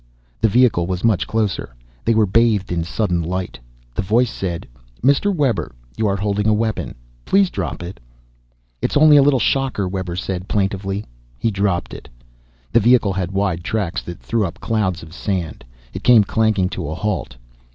The vehicle was much closer. They were bathed in sudden light. The voice said, "Mr. Webber, you are holding a weapon. Please drop it." "It's only a little shocker," Webber said, plaintively. He dropped it. The vehicle had wide tracks that threw up clouds of sand. It came clanking to a halt.